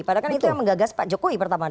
padahal kan itu yang menggagas pak jokowi pertama